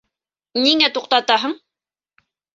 Ниңә туҡтатаһың?